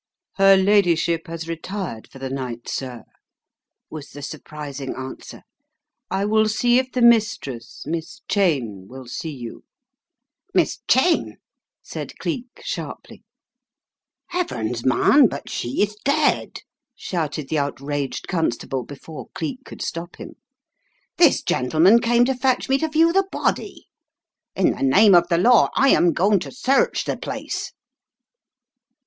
Her ladyship has retired for the night, sir," was <« 40 The Riddle of the Purple Emperor the surprising answer. "I will see if the mistress — Miss Cheyne — will see you." "Miss Cheyne!" said Cleek, sharply. "Heavens! man, bift she is dead," shouted the out raged constable before Cleek could stop him. "This gentleman came to fetch me to view the body. In the name of the law, I am going to search the place."